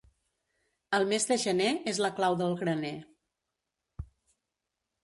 El mes de gener és la clau del graner.